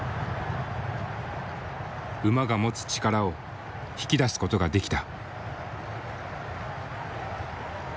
馬が持つ力を引き出すことができた。